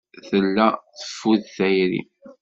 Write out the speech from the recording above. Tella teffud tayri.